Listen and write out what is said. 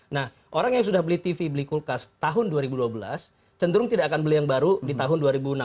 nah orang yang sudah beli tv beli kulkas tahun dua ribu dua belas cenderung tidak akan beli yang baru di tahun dua ribu enam belas